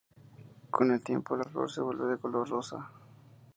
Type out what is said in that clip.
Con el tiempo la flor vuelve de color rosa.